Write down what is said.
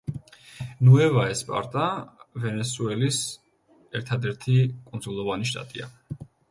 ნუევა-ესპარტა ვენესუელის ერთადერთი კუნძულოვანი შტატია.